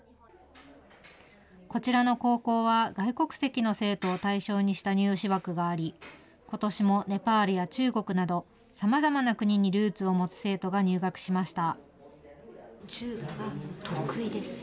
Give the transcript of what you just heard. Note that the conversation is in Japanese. こちらの高校は外国籍の生徒を対象にした入試枠があり、ことしもネパールや中国など、さまざまな国にルーツを持つ生徒が入学しました。